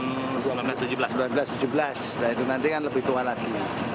seribu sembilan ratus tujuh belas nah itu nanti kan lebih tua lagi